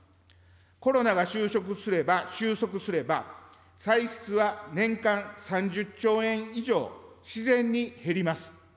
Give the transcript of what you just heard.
コロナが収束すれば歳出は年間３０兆円以上自然に減ります。